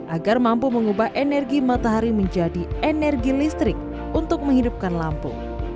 agar mampu mengubah energi matahari menjadi energi listrik untuk menghidupkan lampu